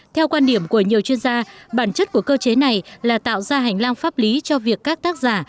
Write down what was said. theo quan điểm của nhiều chuyên gia bản chất của cơ chế này là tạo ra hành lang pháp lý cho việc các tác giả